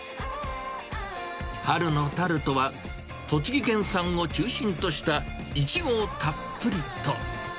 春のタルトは、栃木県産を中心としたイチゴをたっぷりと。